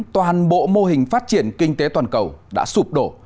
toàn bộ mô hình phát triển kinh tế toàn cầu đã sụp đổ